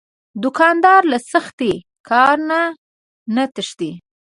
دوکاندار له سخت کار نه نه تښتي.